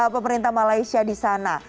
pemerintah malaysia di sana